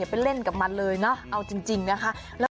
ไปเล่นกับมันเลยเนอะเอาจริงนะคะ